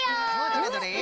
どれどれ？